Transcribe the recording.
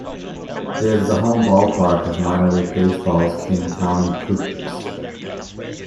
It is the home ballpark of Minor League Baseball's Kane County Cougars.